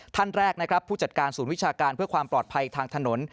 ท่านแรกนะครับผู้จัดการศูนย์วิชาการเพื่อความปลอดภัยทางถนน